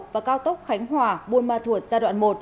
và cao tốc khánh hòa buôn ma thuột giai đoạn một